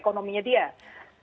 dan saya juga tidak mencari